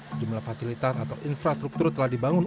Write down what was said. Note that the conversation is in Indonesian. sejumlah fasilitas atau infrastruktur telah dibangun